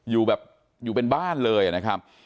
อยู่แบบอยู่เป็นบ้านเลยนะครับ